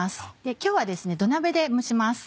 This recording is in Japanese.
今日は土鍋で蒸します。